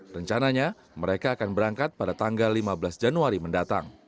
rencananya mereka akan berangkat pada tanggal lima belas januari mendatang